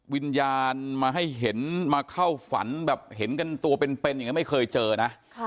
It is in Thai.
วิญญาณมาให้เห็นมาเข้าฝันแบบเห็นกันตัวเป็นอย่างนี้ไม่เคยเจอนะ